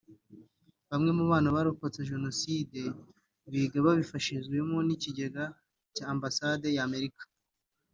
Bamwe mu bana barokotse Jenoside biga babifashijwemo n’ikigega cya Ambasade ya Amerika